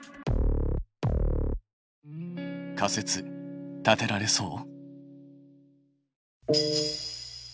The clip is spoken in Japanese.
仮説立てられそう？